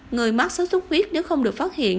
người mắc sốt xuất huyết nếu không được phát hiện